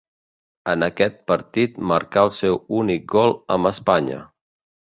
En aquest partit marcà el seu únic gol amb Espanya.